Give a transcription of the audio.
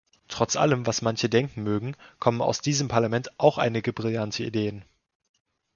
Trotz allem, was manche denken mögen, kommen aus diesem Parlament auch einige brillante Ideen.